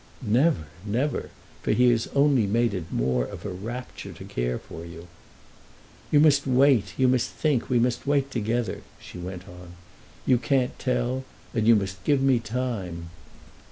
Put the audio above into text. "Never—never; for he has only made it more of a rapture to care for you." "You must wait, you must think; we must wait together," she went on. "You can't tell, and you must give me time.